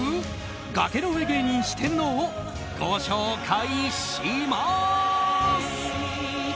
崖の上芸人四天王をご紹介します！